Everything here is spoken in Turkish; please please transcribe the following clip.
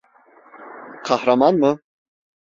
Kahraman mı?